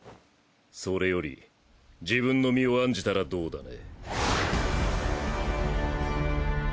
それより自分の身を案じたらどうだね。